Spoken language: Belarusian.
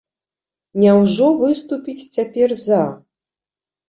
Няўжо выступіць цяпер за?